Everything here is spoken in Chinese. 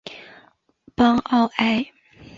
邦奥埃。